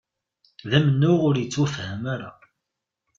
D amennuɣ ur yettwafham ara